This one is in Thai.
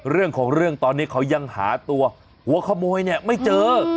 เรื่องของเรื่องตอนนี้เขายังหาตัวหัวขโมยเนี่ยไม่เจอ